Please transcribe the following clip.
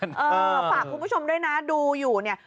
เออฝากคุณผู้ชมด้วยนะดูอยู่เนี่ย